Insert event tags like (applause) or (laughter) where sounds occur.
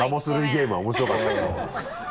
ゲームは面白かったけど (laughs)